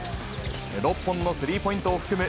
６本のスリーポイントを含む